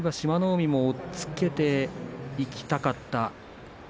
海も押っつけていきたかった。